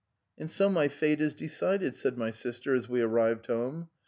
And so, my fate is decided/ 5 said my sister when we reached home.